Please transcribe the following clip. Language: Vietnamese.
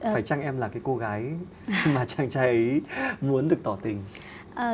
phải trang em là cô gái mà chàng trai ấy muốn được tỏ tình